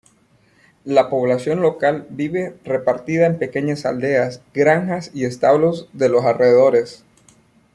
La población local vive repartida en pequeñas aldeas, granjas y establos de los alrededores.